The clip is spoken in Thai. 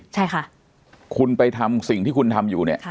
ใช่ค่ะคุณไปทำสิ่งที่คุณทำอยู่เนี่ย